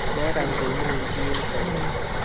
mekany komuuin chii eng sobet